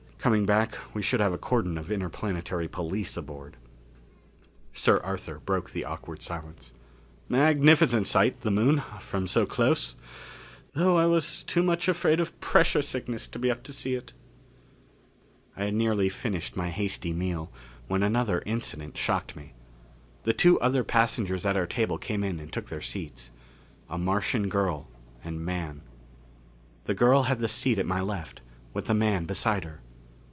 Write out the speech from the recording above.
Coming back we should have a cordon of Interplanetary Police aboard. Sir Arthur broke the awkward silence. "Magnificent sight, the Moon, from so close though I was too much afraid of pressure sickness to be up to see it." I had nearly finished my hasty meal when another incident shocked me. The two other passengers at our table came in and took their seats. A Martian girl and man. The girl had the seat at my left, with the man beside her.